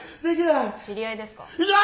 知り合いですか？